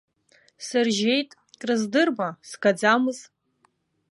Сыржьеит, крыздырма, сгаӡамыз.